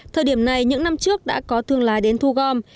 thời điểm này những năm trước đã có thương lái đến thu gom